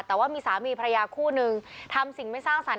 แต่ว่ามีสามีภรรยาคู่นึงทำสิ่งไม่สร้างสรรค